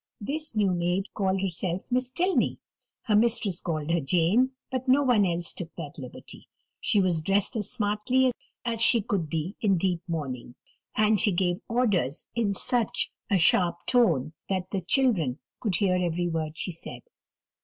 This new maid called herself Miss Tilney: her mistress called her Jane, but no one else took that liberty. She was dressed as smartly as she could be in deep mourning; and she gave orders in such a sharp tone that the children could hear every word she said.